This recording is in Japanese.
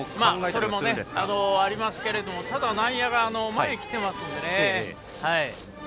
それもありますけどもただ内野が前に来てますんでね。